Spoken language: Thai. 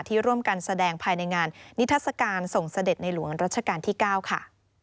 ที่ร่วมกันแสดงภายในงานนิทัศกาลส่งเสด็จในหลวงรัชกาลที่๙ค่ะ